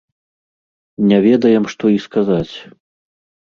Не ведаем, што і сказаць.